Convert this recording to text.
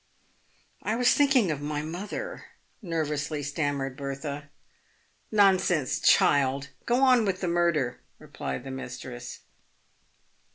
" I was thinking of my mother," nervously stammered Bertha. " Nonsense, child ! go on with the murder," replied the mis tress.